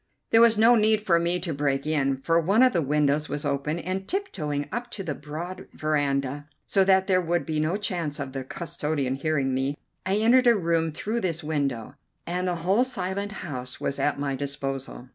There was no need for me to break in, for one of the windows was open, and, tip toeing up on the broad veranda, so that there would be no chance of the custodian hearing me, I entered a room through this window, and the whole silent house was at my disposal.